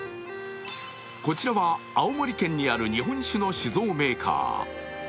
こちらは青森県にある日本酒の酒造メーカー。